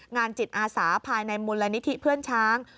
งานจิตอาสาภายในมูลนิธิเพื่อนช้าง